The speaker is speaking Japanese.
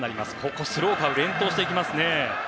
スローカーブを連投していきますね。